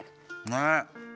ねえ。